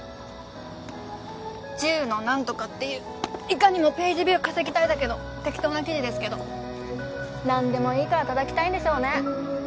１０の何とかっていういかにもページビュー稼ぎたいだけの適当な記事ですけど何でもいいから叩きたいんでしょうね